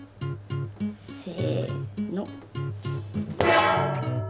せの。